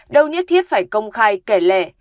đâu nhất thiết phải công khai kể lệ